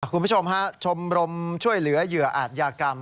คุณผู้ชมฮะชมรมช่วยเหลือเหยื่ออาจยากรรม